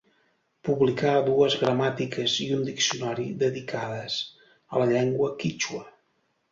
Publicà dues gramàtiques i un diccionari dedicades a la llengua quítxua.